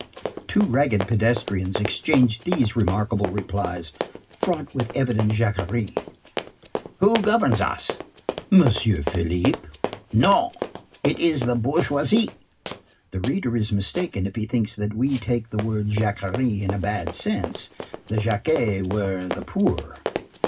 Two ragged pedestrians exchanged these remarkable replies, fraught with evident Jacquerie:— "Who governs us?" "M. Philippe." "No, it is the bourgeoisie." The reader is mistaken if he thinks that we take the word Jacquerie in a bad sense. The Jacques were the poor.